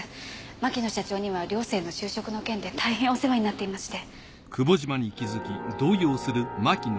牧野社長には寮生の就職の件でたいへんお世話になっていまして。